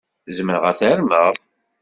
Zemreɣ ad t-armeɣ?